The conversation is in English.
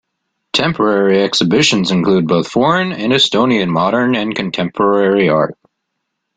Temporary exhibitions include both foreign and Estonian modern and contemporary art.